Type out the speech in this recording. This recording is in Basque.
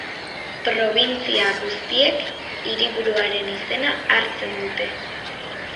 Probintzia guztiek hiriburuaren izena hartzen dute.